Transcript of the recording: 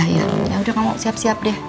ya yaudah kamu siap siap deh